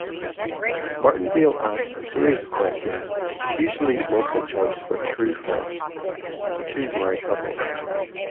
Martindale asked a series of questions, usually multiple-choice or true-false, to two married couples.